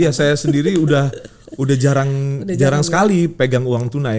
ya saya sendiri udah jarang sekali pegang uang tunai